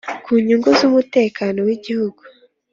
ku nyungu z umutekano w Igihugu